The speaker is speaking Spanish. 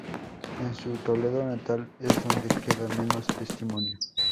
En su Toledo natal es donde queda menos testimonio.